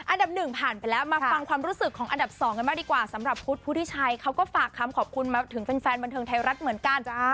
อันดับหนึ่งผ่านไปแล้วมาฟังความรู้สึกของอันดับ๒กันมากดีกว่าสำหรับพุทธพุทธิชัยเขาก็ฝากคำขอบคุณมาถึงแฟนบันเทิงไทยรัฐเหมือนกัน